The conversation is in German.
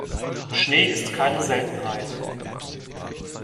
Schnee ist keine Seltenheit.